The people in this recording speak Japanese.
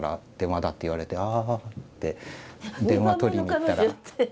「あ」って電話取りに行ったら。